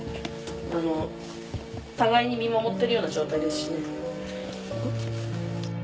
互いに見守ってるような状態ですしね。